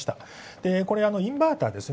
で、インバーターですね。